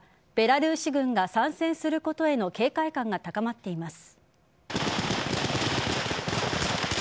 ベラルーシ軍が参戦することへの警戒感が高まっています。